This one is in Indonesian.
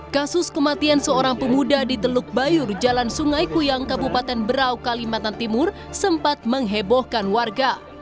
kasus kematian seorang pemuda di teluk bayur jalan sungai kuyang kabupaten berau kalimantan timur sempat menghebohkan warga